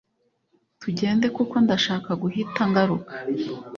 tugende kuko ndashaka guhita ngaruka